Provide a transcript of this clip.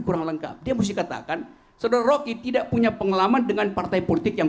kurang lengkap dia harus dikatakan sederhana rocky tidak punya pengalaman dengan partai politik yang